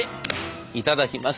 いただきます。